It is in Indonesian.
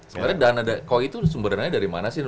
sebenarnya koi itu sumber dananya dari mana sih